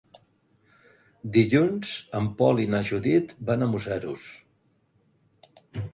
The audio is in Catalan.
Dilluns en Pol i na Judit van a Museros.